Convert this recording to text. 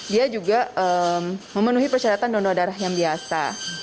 dia juga memenuhi persyaratan donor darah yang biasa